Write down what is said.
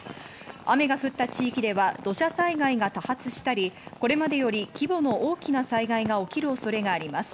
雨が降った地域では土砂災害が多発したり、これまでより規模の大きな災害が起きる恐れがあります。